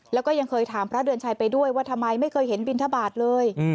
แล้วก็ยังเคยถามพระเดือนชัยไปด้วยว่าทำไมไม่เคยเห็นบินทบาทเลย